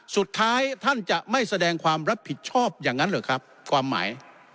สุดท้ายท่านจะไม่แสดงความรับผิดชอบอย่างนั้นเหรอครับความหมาย